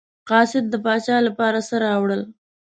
قاصد د پاچا لپاره څه راوړل.